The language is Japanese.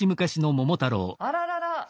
あららら。